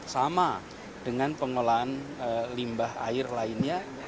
sama dengan pengelolaan limbah air lainnya